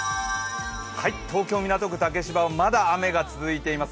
東京・港区竹芝はまだ雨が続いています。